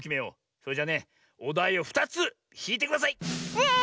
それじゃねおだいを２つひいてください！スイ！